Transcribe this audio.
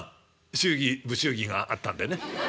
祝儀不祝儀があったんでね」。